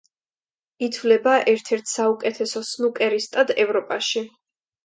ითვლება ერთ-ერთ საუკეთესო სნუკერისტად ევროპაში.